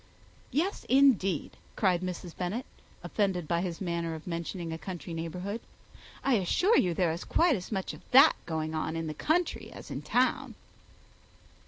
"Yes, indeed," cried Mrs. Bennet, offended by his manner of mentioning a country neighbourhood. "I assure you there is quite as much of that going on in the country as in town."